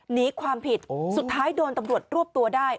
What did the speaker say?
หนีความผิดสุดท้ายโดนตำรวจรวบตัวได้